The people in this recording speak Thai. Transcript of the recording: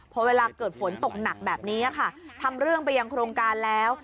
พอเวลาเกิดฝนตกหนักแบบนี้ค่ะทำเรื่องไปยังโครงการแล้ว